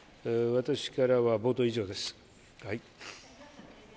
私からは冒頭以上です